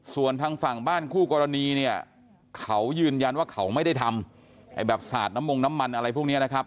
ส่วนทางฝั่งบ้านคู่กรณีเนี่ยเขายืนยันว่าเขาไม่ได้ทำไอ้แบบสาดน้ำมงน้ำมันอะไรพวกนี้นะครับ